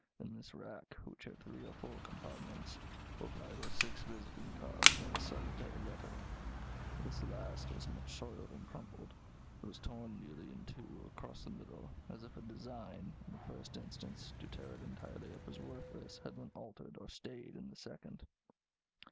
In this rack, which had three or four compartments, were five or six visiting cards and a solitary letter. This last was much soiled and crumpled. It was torn nearly in two, across the middle, as if a design, in the first instance, to tear it entirely up as worthless, had been altered, or stayed, in the second.